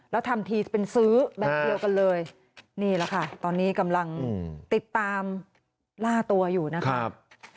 แล้วทำทีเป็นซื้อแบบเดียวกันเลยนี่แหละค่ะตอนนี้กำลังติดตามล่าตัวอยู่นะครับ